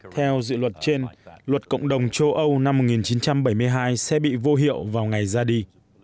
theo dự luật trên luật cộng đồng châu âu năm một nghìn chín trăm bảy mươi hai sẽ bị vô hiệu vào ngày ra đi